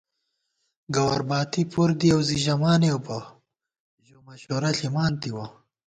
گوَر باتی پُر دِیَؤ زی ژمانېؤ بہ، ژو مشوَرہ ݪِمان تِوَہ